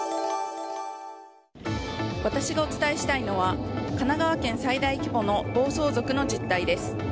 私がお伝えしたいのは神奈川県最大規模の暴走族の実態です。